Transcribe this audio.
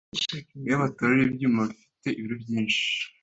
iyo baterura ibyuma bifite ibiro byinshi